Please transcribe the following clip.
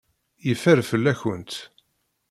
Yeffer fell-akent.